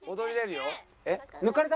えっ抜かれた？